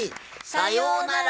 さようなら！